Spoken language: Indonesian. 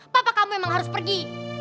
papa kamu memang harus pergi